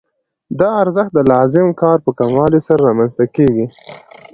دا ارزښت د لازم کار په کموالي سره رامنځته کېږي